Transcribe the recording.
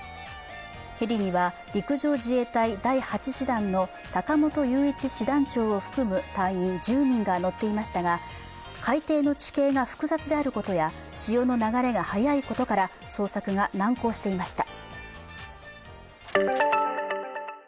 ヘリには陸上自衛隊第８師団の坂本雄一師団長を含む隊員１０人が乗っていましたが海底の地形が複雑であることや潮の流れが速いことから捜索が難航していました。